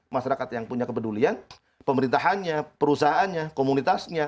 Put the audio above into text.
masyarakat yang punya kepedulian pemerintahannya perusahaannya komunitasnya